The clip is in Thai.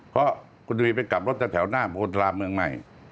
เพราะคุณธวีไปกลับรถจากแถวหน้าโรทาราบเมืองไหม